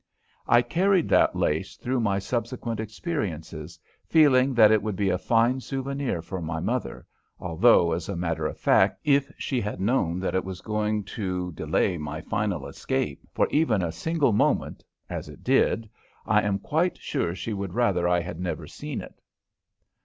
I carried that lace through my subsequent experiences, feeling that it would be a fine souvenir for my mother, although, as a matter of fact, if she had known that it was going to delay my final escape for even a single moment, as it did, I am quite sure she would rather I had never seen it.